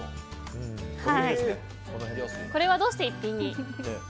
これは、どうして逸品に？